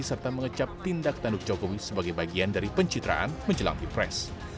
serta mengecap tindak tanduk jokowi sebagai bagian dari pencitraan menjelang pilpres